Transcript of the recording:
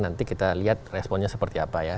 nanti kita lihat responnya seperti apa ya